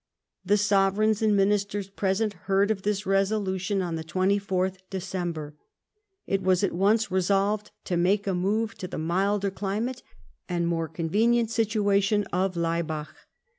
The sovereigns and ministers present heard of this resolution on the 24th December. It wjis at once resolved to make a move to the milder climate and more convenient situation of Laibach.